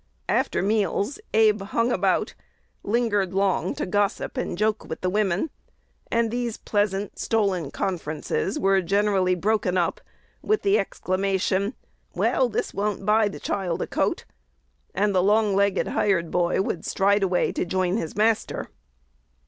After meals Abe "hung about," lingered long to gossip and joke with the women; and these pleasant, stolen conferences were generally broken up with the exclamation, "Well, this won't buy the child a coat!" and the long legged hired boy would stride away to join his master.